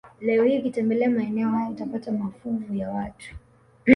Leo hii ukitembelea maeneo hayo utapata mafuvu ya watu